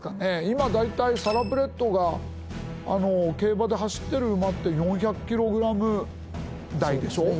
今大体サラブレッドが競馬で走ってる馬って４００キログラム台でしょう？